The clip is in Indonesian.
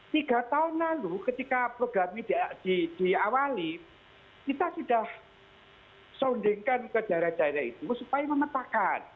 tiga tahun lalu ketika program ini diawali kita sudah soundingkan ke daerah daerah itu supaya memetakan